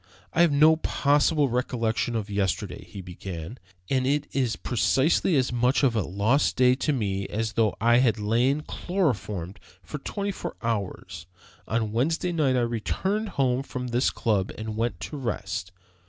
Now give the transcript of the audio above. "I have no possible recollection of yesterday," he began, "and it is precisely as much of a lost day to me as though I had lain chloroformed for twenty four hours. On Wednesday night I returned home from this club and went to rest.